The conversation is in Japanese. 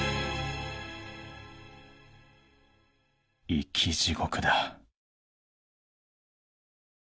「生地獄だ」